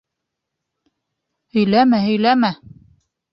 Һөйләмә, һөйләмә!